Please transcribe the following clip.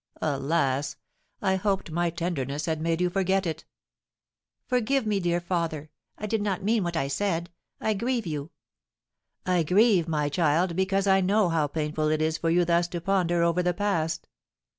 Alas! I hoped my tenderness had made you forget it." "Forgive me, dear father; I did not mean what I said. I grieve you." "I grieve, my child, because I know how painful it is for you thus to ponder over the past."